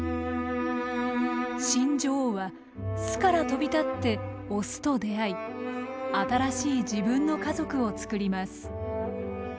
新女王は巣から飛び立ってオスと出会い新しい自分の家族を作ります。